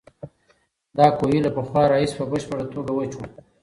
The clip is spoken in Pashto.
دا کوهی له پخوا راهیسې په بشپړه توګه وچ و.